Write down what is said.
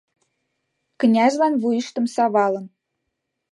Князьлан вуйыштым савалын